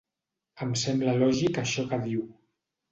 Em sembla lògic això que diu.